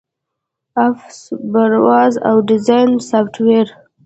آفس، براوزر، او ډیزاین سافټویر